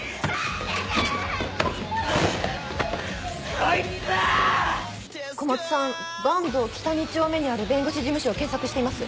こいつ‼小松さん坂東北２丁目にある弁護士事務所を検索しています。